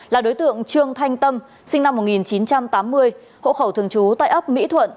là đối tượng trương thanh tâm sinh năm một nghìn chín trăm tám mươi hộ khẩu thường trú tại ấp mỹ thuận